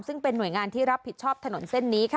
ซึ่งเป็นหน่วยงานที่รับผิดชอบถนนเส้นนี้ค่ะ